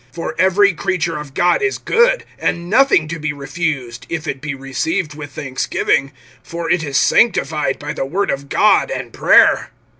(4)For every creature of God is good, and nothing to be refused, if it be received with thanksgiving; (5)for it is sanctified by the word of God and prayer.